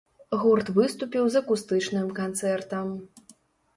Гурт выступіў з акустычным канцэртам.